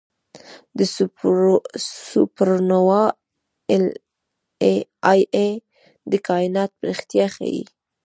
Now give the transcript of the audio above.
د سوپرنووا Ia د کائنات پراختیا ښيي.